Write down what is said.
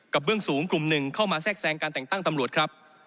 เบื้องสูงกลุ่มหนึ่งเข้ามาแทรกแทรงการแต่งตั้งตำรวจครับ